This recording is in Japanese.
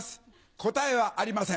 答えはありません。